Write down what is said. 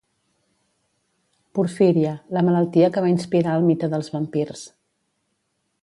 Porfíria: la malaltia que va inspirar el mite dels vampirs.